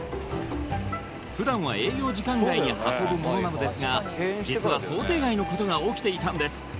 普段は営業時間外に運ぶものなのですが実は想定外のことが起きていたんです